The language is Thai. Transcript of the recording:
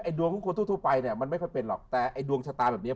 อแอนถูกปราย